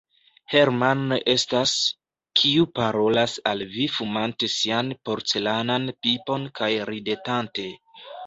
Hermann estas, kiu parolas al vi fumante sian porcelanan pipon kaj ridetante.